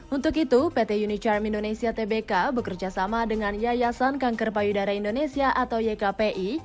untuk itu pt unicar indonesia tbk bekerjasama dengan yayasan kanker payudara indonesia atau ykpi